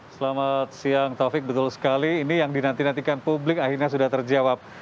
selamat siang taufik betul sekali ini yang dinantikan publik akhirnya sudah terjawab